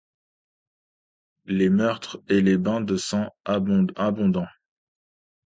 Les meurtres et les bains de sang abondent.